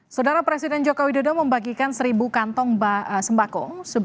saudara presiden joko widodo membagikan seribu kantong sembako